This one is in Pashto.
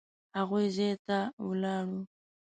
هغوی ځای ته ولاړو.